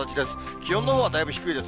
気温のほうはだいぶ低いです。